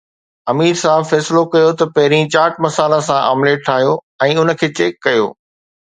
امير صاحب فيصلو ڪيو ته پهرين چاٽ مسالا سان آمليٽ ٺاهيو ۽ ان کي چيڪ ڪيو